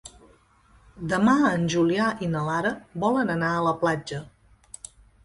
Demà en Julià i na Lara volen anar a la platja.